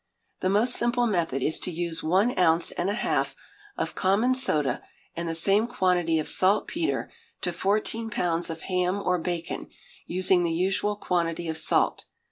The most simple method is to use one ounce and a half of common soda and the same quantity of saltpetre, to fourteen pounds of ham or bacon, using the usual quantity of salt.